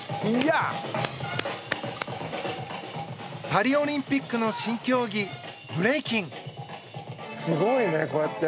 パリオリンピックの新競技ブレイキン。